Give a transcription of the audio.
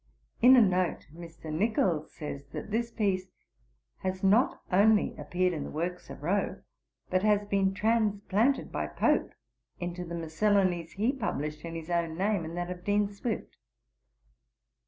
In a note, Mr. Nichols says that this piece 'has not only appeared in the Works of Rowe, but has been transplanted by Pope into the Miscellanies he published in his own name and that of Dean Swift.'